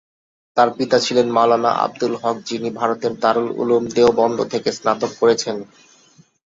তার পিতা ছিলেন মাওলানা আব্দুল হক, যিনি ভারতের দারুল উলুম দেওবন্দ থেকে স্নাতক করেছেন।